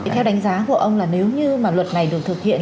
theo đánh giá của ông là nếu như mà luật này được thực hiện